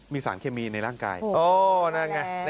มีสารเคมีในร่างกายนั่นไง